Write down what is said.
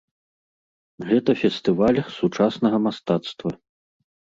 Гэта фестываль сучаснага мастацтва.